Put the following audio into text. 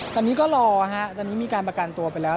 ตอนนี้ก็รอฮะตอนนี้มีการประกันตัวไปแล้ว